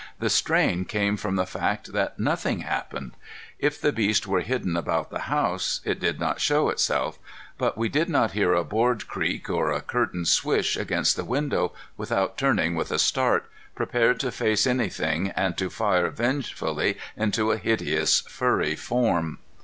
The strain came from the fact that nothing happened. If the beast were hidden about the house, it did not show itself, but we did not hear a board creak or a curtain swish against the window without turning with a start, prepared to face anything and to fire vengefully into a hideous, furry form.